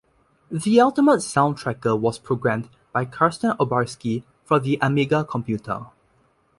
The Ultimate Soundtracker was programmed by Karsten Obarski for the Amiga computer.